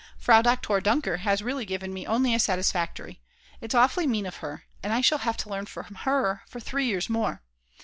Frau Doktor Dunker has really given me only a Satisfactory, it's awfully mean of her; and I shall have to learn from her for three years more!